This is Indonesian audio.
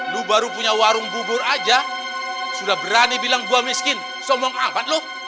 lu baru punya warung bubur aja sudah berani bilang buah miskin somong amat lu